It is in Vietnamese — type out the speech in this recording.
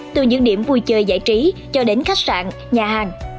từ những điểm vui chơi giải trí cho đến khách sạn nhà hàng